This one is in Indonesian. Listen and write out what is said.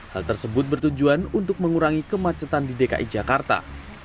hal tersebut bertujuan untuk mengurangi kemacetan di dki jakarta